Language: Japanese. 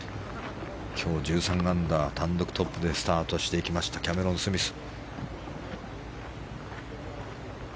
今日、１３アンダー単独トップでスタートしていったキャメロン・スミス。